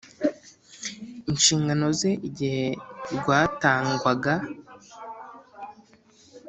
inshingano ze igihe rwatangwaga